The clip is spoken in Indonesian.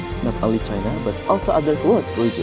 bukan hanya di china tetapi juga di bagian dunia lain